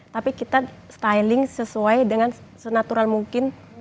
tapi kita styling sesuai dengan senatural mungkin